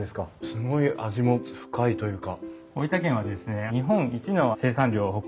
すごい味も深いというか。